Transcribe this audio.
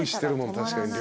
確かに量。